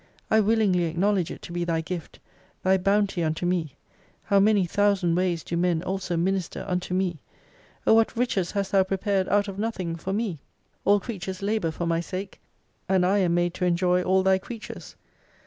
I willingly acknowledge it to be thy Gift ! thy bounty unto me ! How many thousand ways do men also minister unto me ! O what riches hast Thou prepared out of nothing for me ! All creatures labor for my sake, and I am made to enjoy all Thy creatures.